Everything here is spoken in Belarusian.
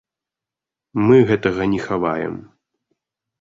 Мы гэтага не хаваем.